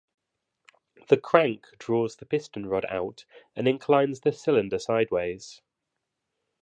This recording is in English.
The crank draws the piston-rod out and inclines the cylinder sideways.